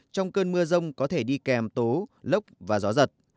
trong cơn mưa rông có thể đi kèm tố lốc và gió giật